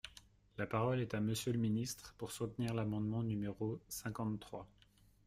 La parole est à Monsieur le ministre, pour soutenir l’amendement numéro cinquante-trois.